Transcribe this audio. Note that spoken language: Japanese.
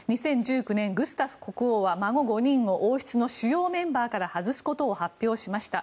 ２０１９年、グスタフ国王は孫５人を王室の主要メンバーから外すことを発表しました。